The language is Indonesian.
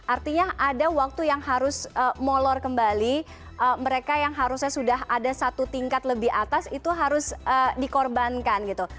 artinya ada waktu yang harus molor kembali mereka yang harusnya sudah ada satu tingkat lebih atas itu harus dikorbankan gitu